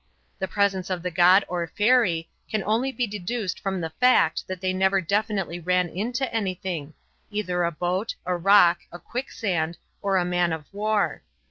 The presence of the god or fairy can only be deduced from the fact that they never definitely ran into anything, either a boat, a rock, a quicksand, or a man of war.